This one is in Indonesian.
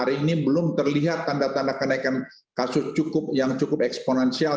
hari ini belum terlihat tanda tanda kenaikan kasus yang cukup eksponensial